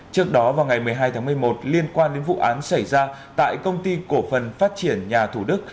trước đó vào ngày một mươi hai tháng một mươi một liên quan đến vụ án xảy ra tại công ty cổ phần phát triển nhà thủ đức